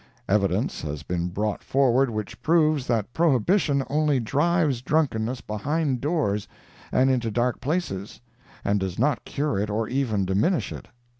Evidence has been brought forward which proves that prohibition only drives drunkenness behind doors and into dark places, and does not cure it or even diminish it.